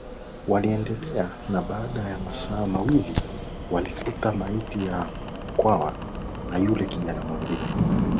Waliendelea na baada ya masaa mawili walikuta maiti ya Mkwawa na yule kijana mwingine